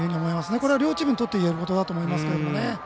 これは両チームにとっていえることだと思いますが。